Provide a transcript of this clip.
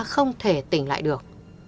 còn không thể tỉnh lại được